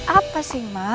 apa sih ma